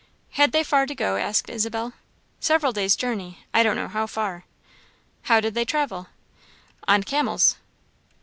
"Had they far to go?" asked Isabel. "Several days' journey I don't know how far." "How did they travel?" "On camels."